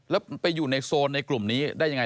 แล้วไปอยู่ในโซนในกลุ่มนี้ได้ยังไง